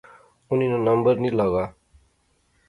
انیں ناں نمبر نی لغا